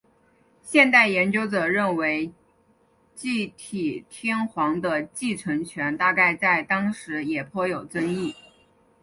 现代研究者认为继体天皇的继承权大概在当时也颇有争议。